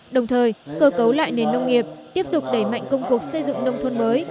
đồng thời cơ cấu lại nền nông nghiệp tiếp tục đẩy mạnh công cuộc xây dựng nông thôn mới